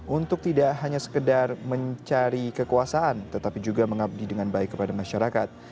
untuk tidak hanya sekedar mencari kekuasaan tetapi juga mengabdi dengan baik kepada masyarakat